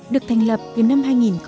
được thành lập từ năm hai nghìn một mươi